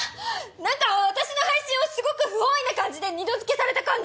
なんか私の配信をすごく不本意な感じで２度づけされた感じ！